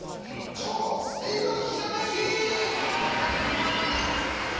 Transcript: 超スピードひらめき！